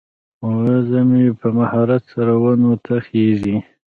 وزه مې په مهارت سره ونو ته خیژي.